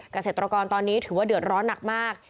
เกษตรกรตอนนี้ถือว่าเดือดร้อนหนักมาก